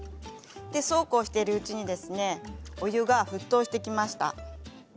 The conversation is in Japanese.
そうこうしているうちにお湯が沸騰してきました。